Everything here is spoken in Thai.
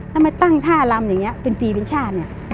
แล้วมันตั้งท่ารำอย่างนี้เป็นฟรีเป็นชาติ